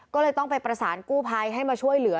ก็เลยต้องไปประสานกู้ภัยให้มาช่วยเหลือ